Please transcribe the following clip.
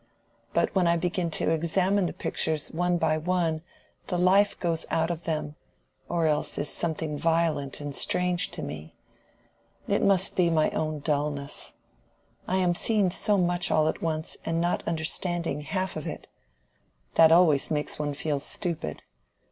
But when I begin to examine the pictures one by one the life goes out of them, or else is something violent and strange to me. It must be my own dulness. I am seeing so much all at once, and not understanding half of it. That always makes one feel stupid.